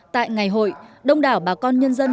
tại ngày hội đông đảo bà con nhân dân